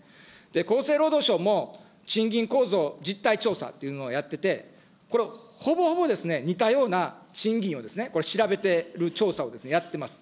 厚生労働省も、賃金構造実態調査というのをやってて、これ、ほぼほぼですね、似たような賃金を調べている調査をやってます。